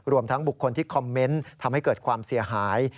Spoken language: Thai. รวมทั้งบุคคลที่คอมเมนต์ทำให้เกิดความเสียหาย